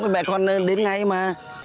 à ừ sao mẹ con đến ngay mà